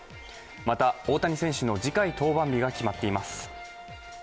また大谷選手の次回登板日が決まっています。